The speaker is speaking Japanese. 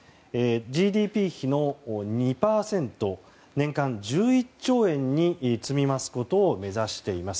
ＧＤＰ比の２％年間１１兆円に積み増すことを目指しています。